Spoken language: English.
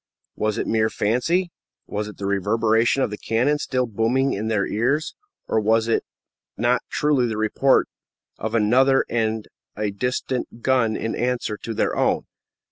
Was it mere fancy? Was it the reverberation of the cannon still booming in their ears? Or was it not truly the report of another and a distant gun in answer to their own?